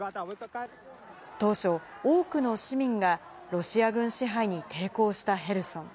当初、多くの市民がロシア軍支配に抵抗したヘルソン。